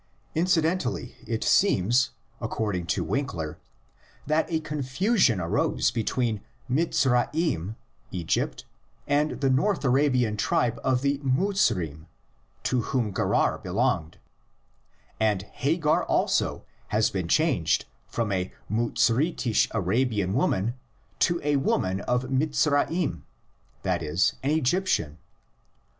Incidentally it seems, according to Winckler, that a confusion arose between Mizraim (Egypt) and the North Arabian tribe of the Muzrim, to whom Gerar belonged; and Hagar also has been changed from a Muzritish Arabian woman to a woman of Mizraim, that is, an Egyptian.